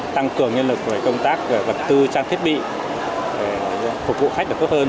tăng cường nhân lực về công tác vật tư trang thiết bị để phục vụ khách được tốt hơn